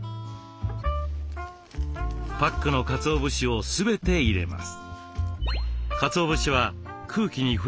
パックのかつお節を全て入れます。